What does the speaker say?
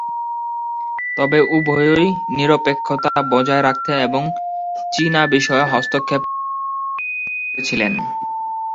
তবে উভয়ই নিরপেক্ষতা বজায় রাখতে এবং চীনা বিষয়ে হস্তক্ষেপ না করা পছন্দ করেছিলেন।